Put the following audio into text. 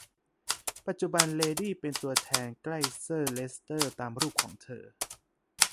ปัจจุบันเลดี้เป็นตัวแทนใกล้เซอร์เลสเตอร์ตามรูปของเธอ